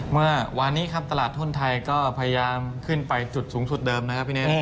เมื่อวานนี้ครับตลาดทุนไทยก็พยายามขึ้นไปจุดสูงสุดเดิมนะครับพี่เนส